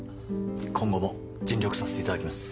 今後も尽力させていただきます